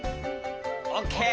オッケー。